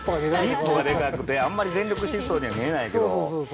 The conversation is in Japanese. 一歩がでかくて、あんまり全力疾走には見えないけど。